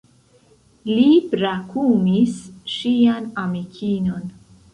Li brakumis ŝian amikinon.